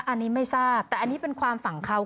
อันนี้ไม่ทราบแต่อันนี้เป็นความฝั่งเขา